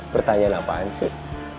pertanyaan apaan sih